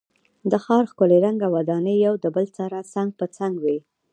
د ښار ښکلی رنګه ودانۍ یو بل سره څنګ په څنګ وې.